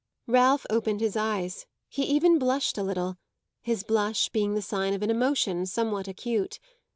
Ralph opened his eyes; he even blushed a little his blush being the sign of an emotion somewhat acute.